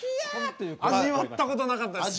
味わったことなかったです。